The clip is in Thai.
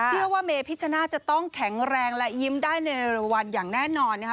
ว่าเมพิชชนาธิจะต้องแข็งแรงและยิ้มได้ในเร็ววันอย่างแน่นอนนะคะ